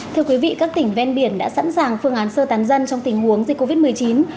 thưa quý vị các tỉnh ven biển đã sẵn sàng phương án sơ tán dân trong tình huống dịch covid một mươi chín